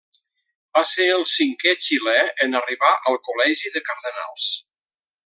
Va ser el cinquè xilè en arribar al Col·legi de Cardenals.